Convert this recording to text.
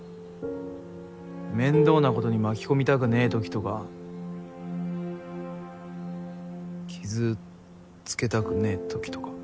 面倒なことに巻き込みたくねぇときとか傷つけたくねぇときとか。